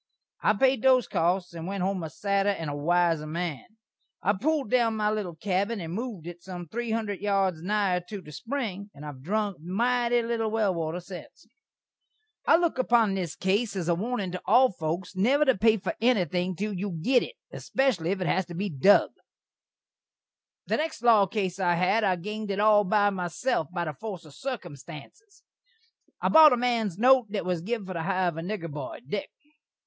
I paid those costs, and went home a sadder and a wiser man. I pulld down my little kabbin and mooved it sum three hundred yards nigher the spring, and I hav drunk mity little well water sence. I look upon this case as a warnin' to all foaks never to pay for enything till you git it, espeshally if it has to be dug. The next law case I had I ganed it all by myself, by the forse of sirkumstanses. I bot a man's note that was giv for the hire of a nigger boy, Dik.